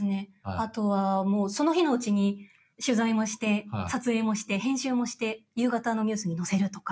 あとはその日のうちに取材もして撮影もして、編集もして夕方のニュースに載せるとか。